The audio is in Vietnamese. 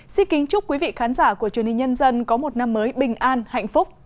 xin kính chúc quý vị khán giả của truyền hình nhân dân có một năm mới bình an hạnh phúc